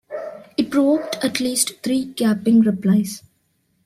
It provoked at least three capping replies.